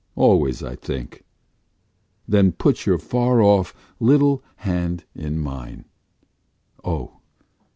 Always I think. Then put your far off little hand in mine; Oh!